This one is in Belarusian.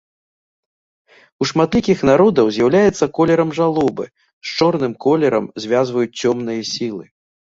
У шматлікіх народаў з'яўляецца колерам жалобы, з чорным колерам звязваюць цёмныя сілы.